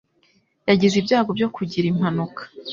Yagize ibyago byo kugira impanuka.